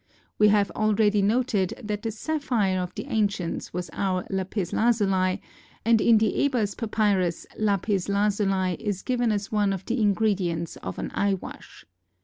We have already noted that the sapphire of the ancients was our lapis lazuli, and in the Ebers Papyrus lapis lazuli is given as one of the ingredients of an eye wash.